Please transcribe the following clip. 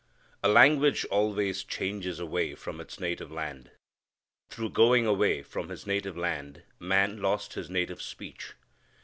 A language always changes away from its native land. Through going away from his native land man lost his native speech.